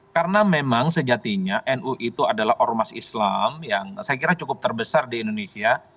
karena memang sejatinya nu itu adalah ormas islam yang saya kira cukup terbesar di indonesia